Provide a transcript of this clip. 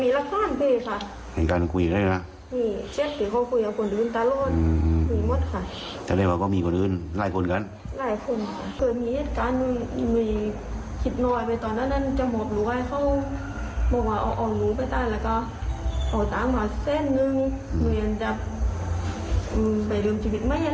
คิดหน่อยไปตอนนั้นจมหกหรือไว้เขาบอกว่าออกหนูไปได้แล้วก็ออกต่างหวัดเส้นหนึ่ง